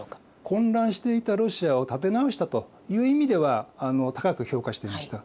混乱していたロシアを立て直したという意味では高く評価していました。